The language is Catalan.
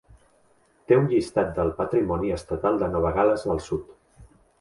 Té un llistat del patrimoni estatal de Nova Gal·les del Sud.